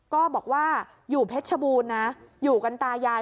ก็บอกว่าอยู่เพชรชบูรณ์นะอยู่กันตายาย